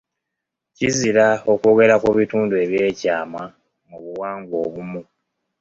Kizira okwogera ku bitundu eby'ekyama mu buwangwa obumu.